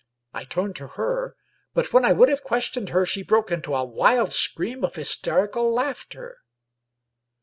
I turned to her» but when I would have questioned her she broke into a wild scream of hysterical laughter.